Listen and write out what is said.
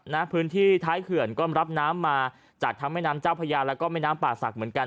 นะพื้นที่ท้ายเขื่อนก็รับน้ำมาจากทั้งแม่น้ำเจ้าพญาแล้วก็แม่น้ำป่าศักดิ์เหมือนกัน